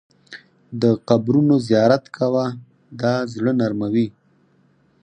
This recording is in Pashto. د قبرونو زیارت کوه، دا زړه نرموي.